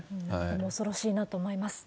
恐ろしいなと思います。